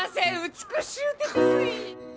美しゅうてつい。